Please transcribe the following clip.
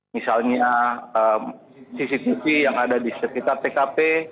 misalnya cctv yang ada di sekitar tkp